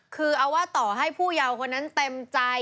คือเอาว่าต่อให้ผู้เยาว์คนนั้นเต็มใจ